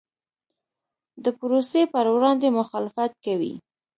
د پروسې پر وړاندې مخالفت کوي.